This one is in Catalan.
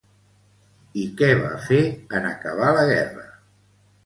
I què va fer, en acabar la Guerra?